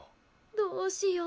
どうしよう。